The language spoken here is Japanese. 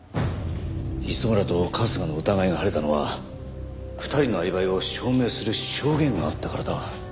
磯村と春日の疑いが晴れたのは２人のアリバイを証明する証言があったからだ。